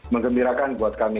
mengembirakan buat kami